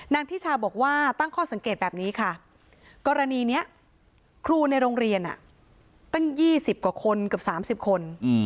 ทิชาบอกว่าตั้งข้อสังเกตแบบนี้ค่ะกรณีนี้ครูในโรงเรียนตั้ง๒๐กว่าคนเกือบ๓๐คน